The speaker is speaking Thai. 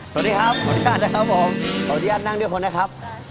สวัสดีครับคุณชาตินะครับผมขออนุญาตนั่งด้วยผมนะครับ